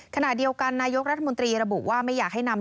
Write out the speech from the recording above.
ขณะเดียวกันนายกรัฐมนตรีระบุว่าไม่อยากให้นำ